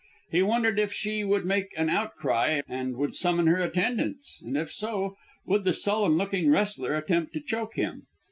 He wondered if she would make an outcry and would summon her attendants, and if so, would the sullen looking wrestler attempt to choke him?